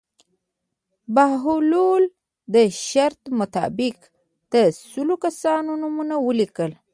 بهلول د شرط مطابق د سلو کسانو نومونه ولیکل.